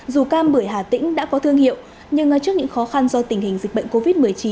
dù cam bưởi hà tĩnh đã có thương hiệu nhưng trước những khó khăn do tình hình dịch bệnh covid một mươi chín